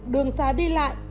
đường xa đi lại